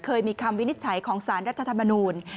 เคยมีคำวินิจฉัยของสารรัฐธรรมนูล